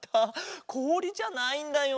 こおりじゃないんだよ。